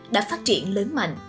đã phát triển lớn mạnh